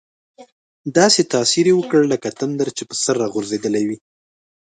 داسې تاثیر یې وکړ لکه تندر چې په سر را غورځېدلی وي.